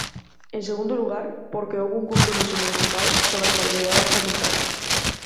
En segundo lugar, porque houbo un compromiso municipal sobre a estabilidade orzamentaria.